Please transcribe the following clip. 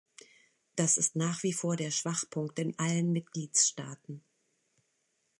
Das ist nach wie vor der Schwachpunkt in allen Mitgliedstaaten.